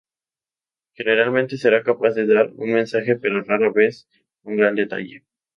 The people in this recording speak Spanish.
Generalmente será capaz de dar un mensaje, pero rara vez con gran detalle.